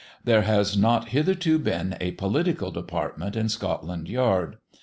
There has not hitherto been a political department in Scotland yard.